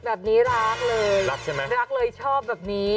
แบบนี้รักเลยรักเลยชอบแบบนี้